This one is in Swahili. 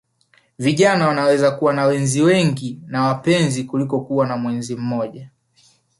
Vijana wanaweza kuwa na wenzi wengi wa mapenzi kuliko kuwa na mwenzi mmoja